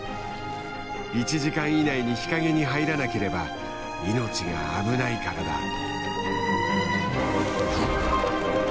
１時間以内に日陰に入らなければ命が危ないからだ。